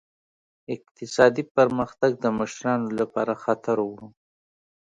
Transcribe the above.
اقتصادي پرمختګ د مشرانو لپاره خطر و.